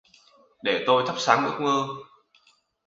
Để tôi thắp sáng ước mơ.